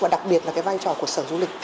và đặc biệt là cái vai trò của sở du lịch